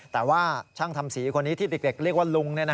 แต่ว่าช่างทำสีคนนี้ที่เด็กเรียกว่าลุง